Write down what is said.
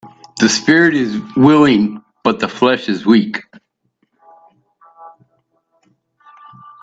The spirit is willing but the flesh is weak